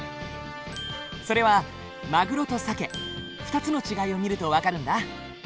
それはマグロとサケ２つの違いを見ると分かるんだ。